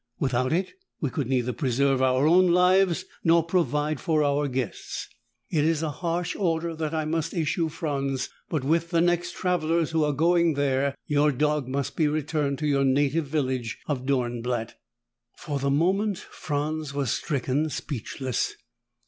Without it, we could neither preserve our own lives nor provide for our guests. It is a harsh order that I must issue, Franz, but with the next travelers who are going there, your dog must be returned to your native village of Dornblatt." For the moment, Franz was stricken speechless.